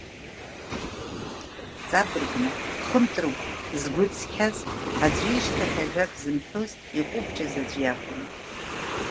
Ҵабыргны Хынтрыгә згәы цқьаз, аӡәы ишьҭахь ажәак зымҳәоз, иҟәыбҷаз аӡә иакәын.